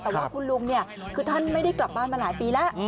แต่ว่าคุณลุงเนี่ยคือท่านไม่ได้กลับบ้านมาหลายปีแล้ว